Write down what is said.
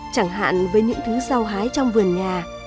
chẳng hạn với những thứ sao hái trong vườn nhà